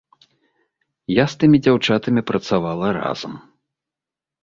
Я з тымі дзяўчатамі працавала разам.